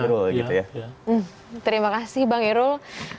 terima kasih bang irol